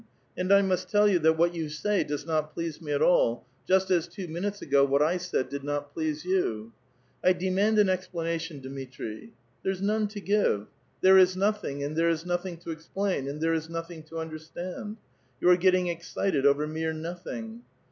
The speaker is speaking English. And I must tell you that what you say does not please me at all ; just as two minutes ago what I said did not please you." *'I demand an explanation, Dmitri." '* There's none to give. There is nothing, and there is nothing to explain, and there is nothing to understand. ^^on are getting excited over mere nothing."